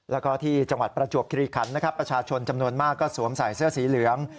แล้วก็ที่จังหวัดประจวบคิริขันนะครับประชาชนจำนวนมากก็สวมใส่เสื้อสีเหลือง